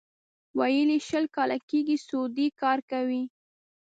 ویل یې شل کاله کېږي سعودي کار کوي.